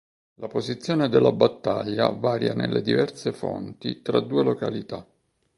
La posizione della battaglia varia nelle diverse fonti tra due località.